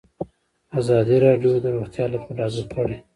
ازادي راډیو د روغتیا حالت په ډاګه کړی.